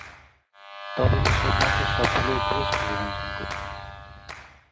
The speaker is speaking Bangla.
তবে এসব মতের সবগুলোই বেশ গ্রহণযোগ্য।